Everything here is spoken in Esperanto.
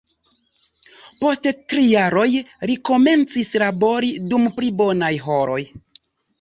Post tri jaroj, li komencis labori dum pli bonaj horoj.